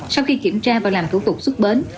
sau khi kiểm tra và làm thủ tục xuất bến